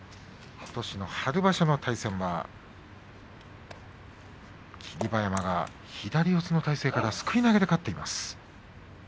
ことしの春場所の対戦霧馬山が左四つの体勢からすくい投げで勝っています。